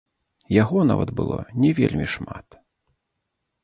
Яго нават было не вельмі шмат!